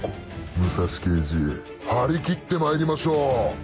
武蔵刑事張り切ってまいりましょう！